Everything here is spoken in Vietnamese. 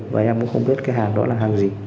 và em cũng không biết cái hàng đó là hàng gì